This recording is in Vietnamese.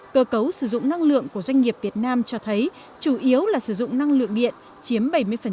cơ cấu sử dụng năng lượng của doanh nghiệp việt nam cho thấy chủ yếu là sử dụng năng lượng điện chiếm bảy mươi